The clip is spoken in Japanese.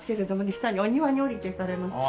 下にお庭に下りて行かれますと。